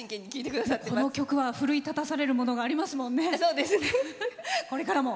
この曲は奮い立たされるものがありますもんね。